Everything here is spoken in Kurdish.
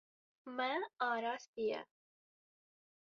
Me arastiye.